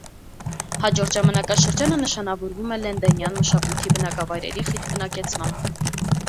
Հաջորդ ժամանակաշրջանը նշանավորվում է լենդենյան մշակույթի բնակավայրերի խիտ բնակեցմամբ։